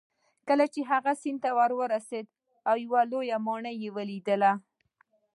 کله چې هغه سیند ته ورسید یوه لویه ماڼۍ یې ولیده.